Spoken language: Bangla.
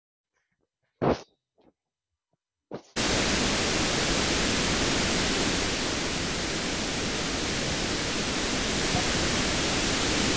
আল্লাহ ব্যতীত কোন ইলাহ নেই, যিনি সম্মানিত আরশের অধিপতি।